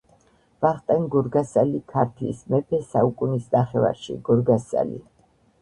ვახტანგ გორგასალი ქართლის მეფე საუკუნის ნახევარში. „გორგასალი